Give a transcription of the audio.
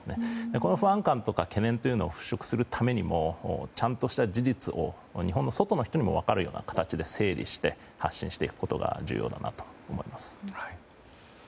この不安感とか懸念というのを払しょくするためにもちゃんとした事実を日本の外の人にも分かるような形で整理して発信してくことが重要だなと思います。